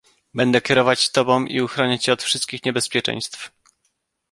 "Będę kierować tobą i uchronię cię od wszelkich niebezpieczeństw."